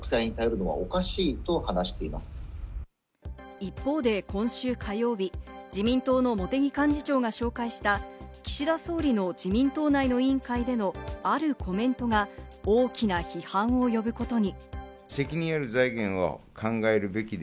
一方で今週火曜日、自民党の茂木幹事長が紹介した岸田総理の自民党内の委員会でのあるコメントが大きな批判を呼ぶことに。